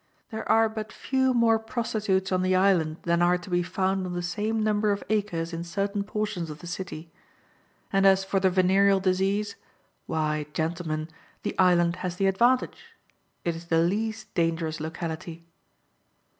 There are but few more prostitutes on the island than are to be found on the same number of acres in certain portions of the city; and as for the venereal disease, why, gentlemen, the island has the advantage. It is the least dangerous locality.